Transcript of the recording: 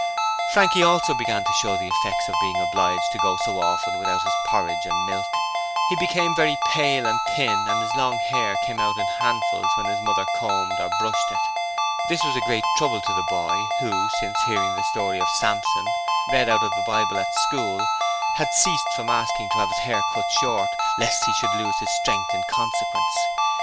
Frankie also began to show the effects of being obliged to go so often without his porridge and milk; he became very pale and thin and his long hair came out in handfuls when his mother combed or brushed it. This was a great trouble to the boy, who, since hearing the story of Samson read out of the Bible at school, had ceased from asking to have his hair cut short, lest he should lose his strength in consequence.